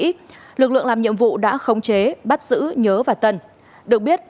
trước đó lực lượng làm nhiệm vụ đã khống chế bắt giữ nhớ và tân được biết